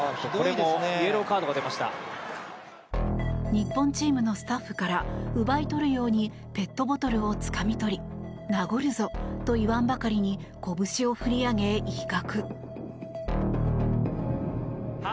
日本チームのスタッフから奪い取るようにペットボトルをつかみ取り殴るぞと言わんばかりにこぶしを振り上げ、威嚇。